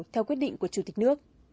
theo quyết định của chủ tịch nước